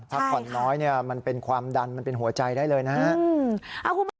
พักพอร์ตน้อยมันเป็นความดันเป็นหัวใจได้เลยนะครับ